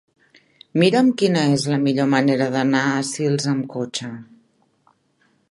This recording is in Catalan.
Mira'm quina és la millor manera d'anar a Sils amb cotxe.